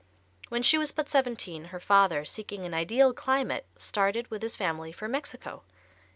When she was but seventeen, her father, seeking an ideal climate, started with his family for Mexico.